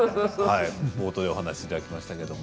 冒頭でお話しいただきましたが。